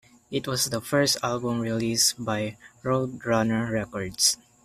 It was the first album released by Roadrunner Records.